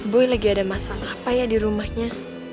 boy lagi ada masalah apa ya di rumahnya